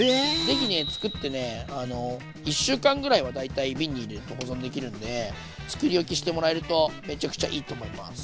是非作って１週間ぐらいは大体瓶に入れて保存できるんで作り置きしてもらえるとめちゃくちゃいいと思います。